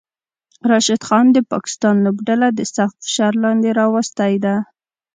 راشد خان د پاکستان لوبډله د سخت فشار لاندې راوستی ده